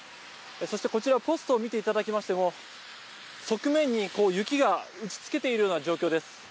そしてこちら、ポストを見ていただきましても、側面に雪が打ちつけているような状況です。